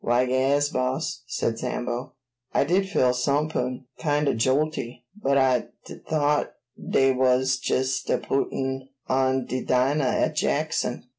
"Why, yas, boss," said Sambo. "I did feel sumpin' kind o' jolty; but I t'ought dey was jes' a puttin' on de dinah at Jackson."